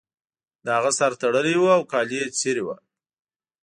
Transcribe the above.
د هغه سر تړلی و او کالي یې څیرې وو